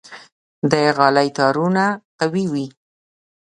د غالۍ تارونه قوي وي.